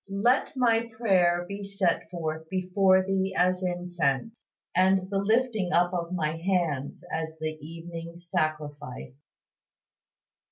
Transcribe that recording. "LET MY PRAYER BE SET FORTH BEFORE THEE AS INCENSE: AND THE LIFTING UP OF MY HANDS AS THE EVENING SACRIFICE."